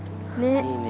いいね。